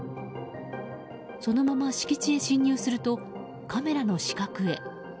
そのまま敷地へ侵入するとカメラの死角へ。